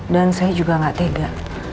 dan saya juga gak tega